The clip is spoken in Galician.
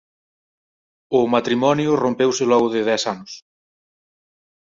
O matrimonio rompeuse logo de dez anos.